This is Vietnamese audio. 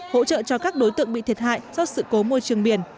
hỗ trợ cho các đối tượng bị thiệt hại do sự cố môi trường biển